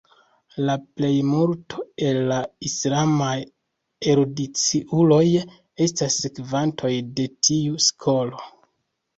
La plejmulto el la islamaj erudiciuloj estas sekvantoj de tiu skolo.